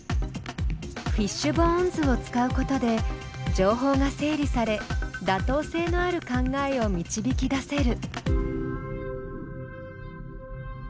フィッシュボーン図を使うことで情報が整理され妥当性のある考えを導き出せる。